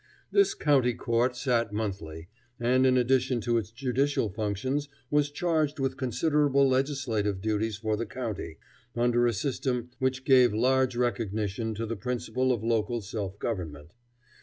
This County Court sat monthly, and in addition to its judicial functions was charged with considerable legislative duties for the county, under a system which gave large recognition to the principle of local self government.